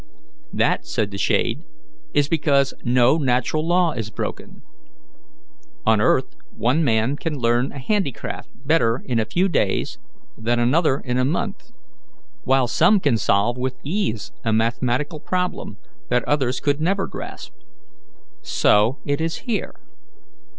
"That," said the shade, "is because no natural law is broken. On earth one man can learn a handicraft better in a few days than another in a month, while some can solve with ease a mathematical problem that others could never grasp. So it is here.